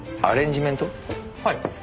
はい。